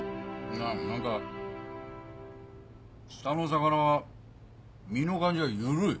いや何か下の魚は身の感じが緩い。